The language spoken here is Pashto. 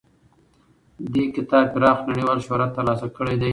دې کتاب پراخ نړیوال شهرت ترلاسه کړی دی.